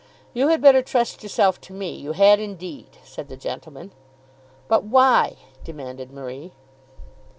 "You had better trust yourself to me; you had indeed," said the gentleman. "But why?" demanded Marie.